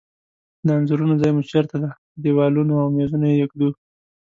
د انځورونو ځای مو چیرته ده؟ په دیوالونو او میزونو یی ایږدو